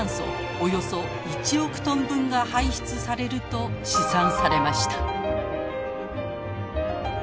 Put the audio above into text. およそ１億トン分が排出されると試算されました。